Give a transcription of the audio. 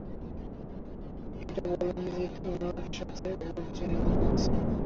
এটা বলোনি যে তোমার সাথে ওর চেনাজানা আছে।